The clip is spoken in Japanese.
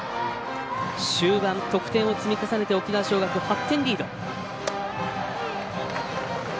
終盤得点を積み重ねて沖縄尚学８点リード。